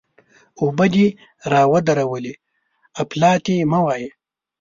اوبه دې را ودرولې؛ اپلاتي مه وایه!